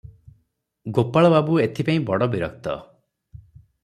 ଗୋପାଳବାବୁ ଏଥିପାଇଁ ବଡ଼ ବିରକ୍ତ ।